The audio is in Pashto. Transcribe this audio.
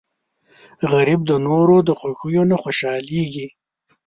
غریب د نورو د خوښۍ نه خوشحالېږي